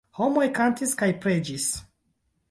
Homoj kantis kaj preĝis.